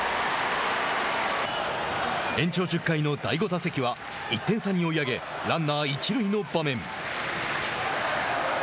延長１０回の第５打席は１点差に追い上げランナー一塁の場面。